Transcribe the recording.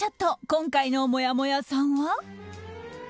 今回のもやもやさんは？